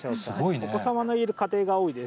お子様のいる家庭が多いです。